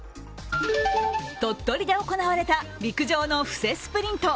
鳥取で行われた陸上の布勢スプリント。